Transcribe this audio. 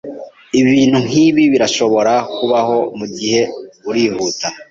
Ibintu nkibi birashobora kubaho mugihe urihuta.